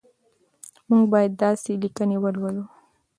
موږ باید داسې لیکنې ولولو.